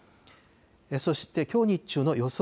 そしてきょう日中の予想